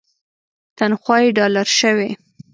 تنخوا یې ډالري شوې.